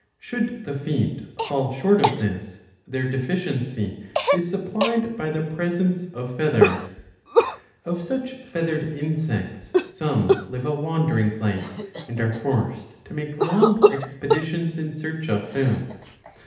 Should the feet fall short of this, their deficiency is supplied by the presence of feathers. Of such feathered insects some live a wandering life and are forced to make long expeditions in search of food.